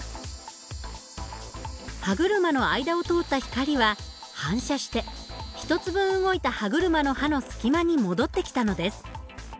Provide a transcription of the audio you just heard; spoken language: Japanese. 歯車の間を通った光は反射してひとつ分動いた歯車の歯の隙間に戻ってきたのです。